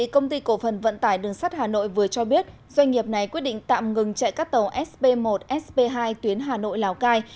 công ty cổ phần vận tải đường sắt hà nội vừa cho biết doanh nghiệp này quyết định tạm ngừng chạy các tàu sb một sp hai tuyến hà nội lào cai